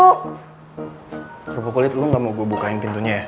kerupuk kulit lu gak mau gue bukain pintunya ya